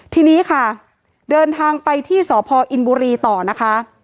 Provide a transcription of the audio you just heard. ทีนี้ค่ะเดินทางไปที่สพอินบุรีต่อนะคะ